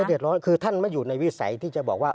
เดือดร้อนคือท่านไม่อยู่ในวิสัยที่จะบอกว่า